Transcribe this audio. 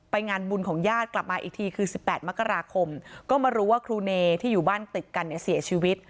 งานบุญของญาติกลับมาอีกทีคือ๑๘มกราคมก็มารู้ว่าครูเนที่อยู่บ้านติดกันเนี่ยเสียชีวิต